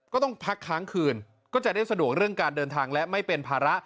ก็ต้องพักค้างคืนก็จะได้สะดวกเรื่องการเดินทางและไม่เป็นภาระ